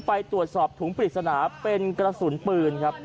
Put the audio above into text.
ไปตรวจสอบถุงปริศนาเป็นกระสุนปืนครับ